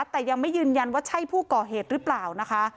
แต่ยังไม่ยืนยันว่าใช่ผู้ก่อเหตุหรือเปล่านะคะ